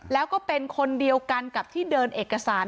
แล้วก็เป็นคนเดียวกันกับที่เดินเอกสาร